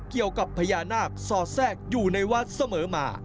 เกี่ยวกับพญานาคสอดแทรกอยู่ในวัดเสมอมา